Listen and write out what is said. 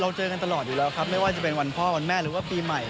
เจอกันตลอดอยู่แล้วครับไม่ว่าจะเป็นวันพ่อวันแม่หรือว่าปีใหม่